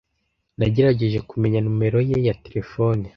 Nagerageje kumenya nimero ye ya terefone.